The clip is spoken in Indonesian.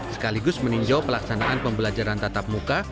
sekaligus meninjau pelaksanaan pembelajaran tatap muka